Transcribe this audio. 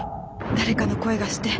誰かの声がして。